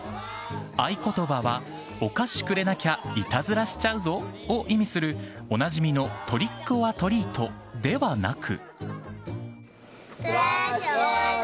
合言葉は、お菓子くれなきゃいたずらしちゃうぞを意味するおなじみのトリックオアトリートではなく。